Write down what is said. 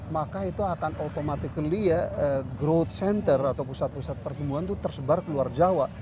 maka itu akan automatically ya growth center atau pusat pusat pertumbuhan itu tersebar ke luar jawa